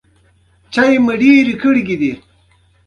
ازادي راډیو د بیکاري په اړه د حکومت اقدامات تشریح کړي.